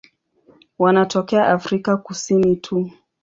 Wanatokea Afrika Kusini tu.